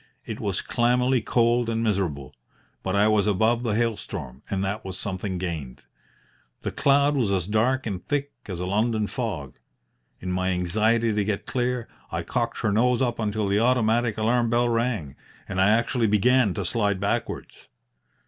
It was clammily cold and miserable. But I was above the hail storm, and that was something gained. The cloud was as dark and thick as a London fog. In my anxiety to get clear, I cocked her nose up until the automatic alarm bell rang, and I actually began to slide backwards.